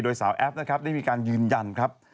โดยสาวแอปได้มีการยืนยันครับ